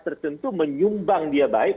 tertentu menyumbang dia baik